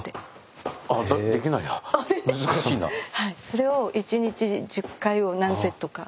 それを１日１０回を何セットか。